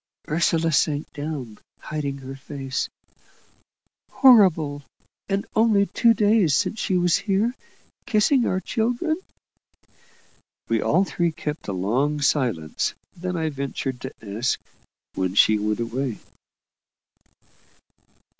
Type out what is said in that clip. Ursula sank down, hiding her face. "Horrible! And only two days since she was here, kissing our children." We all three kept a long silence; then I ventured to ask when she went away?